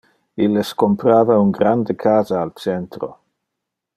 Illes comprava un grande casa al centro.